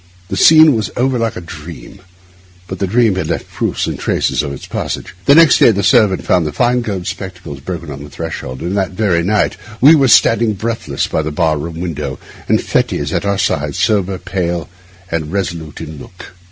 The scene was over like a dream, but the dream had left proofs and traces of its passage. Next day the servant found the fine gold spectacles broken on the threshold, and that very night we were all standing breathless by the bar room window, and Fettes at our side, sober, pale, and resolute in look.